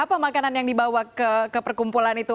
apa makanan yang dibawa ke perkumpulan itu